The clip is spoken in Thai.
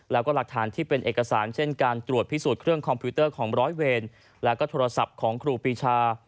แล้วก็หลักฐานที่เป็นเอกสารเช่นการตรวจพิสูจน์เครื่องคอมพิวเตอร์ของร้อยเวรและก็โทรศัพท์ของครูปีชา